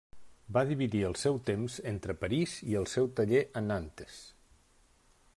Va dividir el seu temps entre París i el seu taller a Nantes.